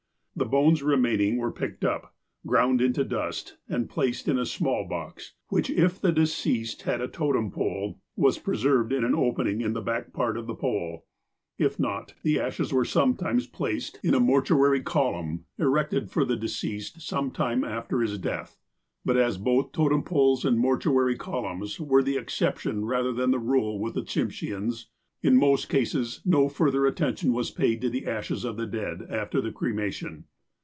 The bones re maining were picked up, ground into dust, and placed in a small box, which, if the deceased had a totem pole, was preserved in an opening in the back jjart of the pole. If not, the ashes were sometimes placed in a mortuary 76 THE APOSTLE OF ALASKA column, erected for the deceased some time after liis death. But as both totem poles and mortuary columns were the exception rather than the rule with the Tsim sheans, in most cases no further attention was paid to the ashes of the dead after the cremation.